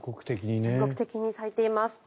全国的に咲いています。